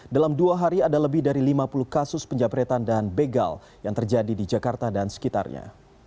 dalam dua hari ada lebih dari lima puluh kasus penjabretan dan begal yang terjadi di jakarta dan sekitarnya